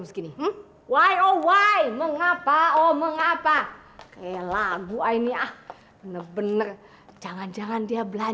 pusing sih pusing tapi you sekarang ngomelin i